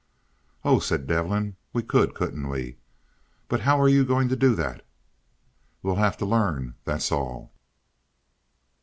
"Oh," said Devin. "We could, couldn't we? But how are you going to do that?" "We'll have to learn, that's all."